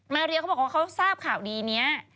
เรียเขาบอกว่าเขาทราบข่าวดีนี้